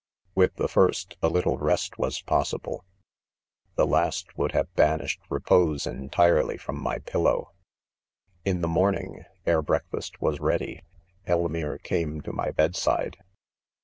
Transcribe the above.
With the first, a little rest was pos sible — the last would have banished repose en tirely from my pillow* 6 In the morning^ eie Breakfast was ready, THE CONFESSIONS. 127 Elmire came to my bed side.